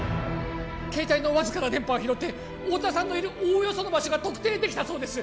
携帯のわずかな電波を拾って太田さんのいるおおよその場所が特定できたそうです